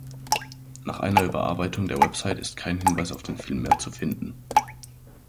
Nach einer Überarbeitung der Website ist kein Hinweis auf den Film mehr zu finden.